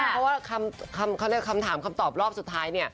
เพราะว่าในคำถามคำตอบรอบสุดท้าย